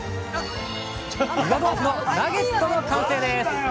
岩豆腐のナゲットの完成です！